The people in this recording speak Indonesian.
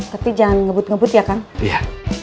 tapi jangan ngebut ngebut ya kan iya